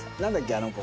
あの子。